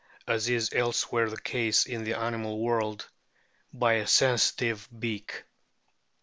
WHALES as is elsewhere the case in the animal world, by a sensitive beak.